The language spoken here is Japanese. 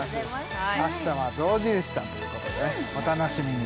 明日は象印さんということでねお楽しみに！